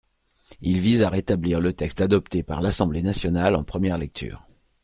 Il vise à rétablir le texte adopté par l’Assemblée nationale en première lecture.